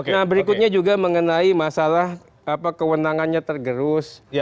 nah berikutnya juga mengenai masalah kewenangannya tergerus